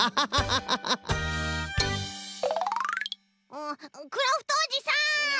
うクラフトおじさん！